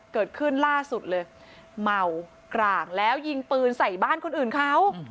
เกิดขึ้นล่าสุดเลยเมากร่างแล้วยิงปืนใส่บ้านคนอื่นเขา